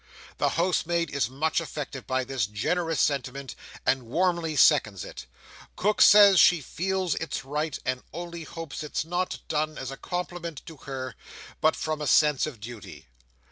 The housemaid is much affected by this generous sentiment, and warmly seconds it. Cook says she feels it's right, and only hopes it's not done as a compliment to her, but from a sense of duty.